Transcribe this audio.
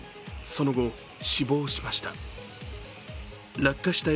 その後、死亡しました。